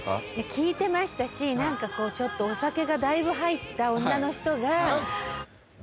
聴いてましたしちょっとお酒がだいぶ入った女の人が。